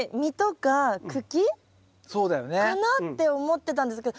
かなって思ってたんですけど